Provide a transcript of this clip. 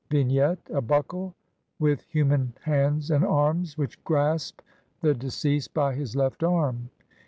] Vignette : A Buckle with human hands and arms which grasp the de ceased by his left arm (see Naville, op.